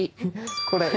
これ。